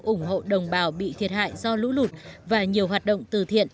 ủng hộ đồng bào bị thiệt hại do lũ lụt và nhiều hoạt động từ thiện